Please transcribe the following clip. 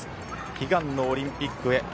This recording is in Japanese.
悲願のオリンピックへ。